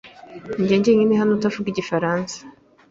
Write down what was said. Ninjye wenyine hano utavuga igifaransa?